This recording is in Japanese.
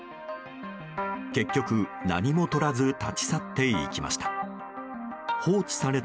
結局、何も取らず立ち去っていきました。